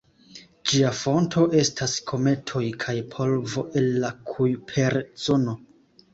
Ĝia fonto estas kometoj kaj polvo el la Kujper-zono.